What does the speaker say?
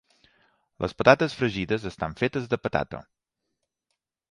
Les patates fregides estan fetes de patata.